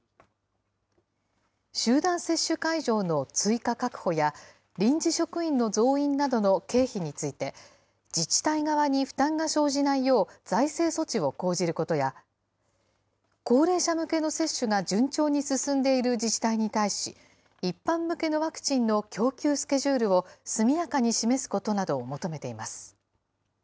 集団接種会場の追加確保や、臨時職員の増員などの経費について、自治体側に負担が生じないよう、財政措置を講じることや、高齢者向けの接種が順調に進んでいる自治体に対し、一般向けのワクチンの供給スケジュールを速やかに示すことなどを求めています。